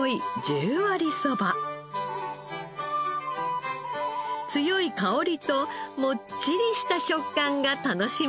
強い香りともっちりした食感が楽しめます。